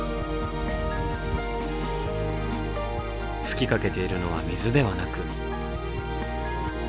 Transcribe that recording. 吹きかけているのは水ではなく。